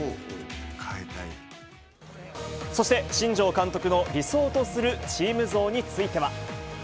そして、新庄監督の理想とするチーム像については。